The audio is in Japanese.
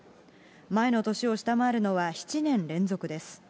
前の年を下回るのは７年連続です。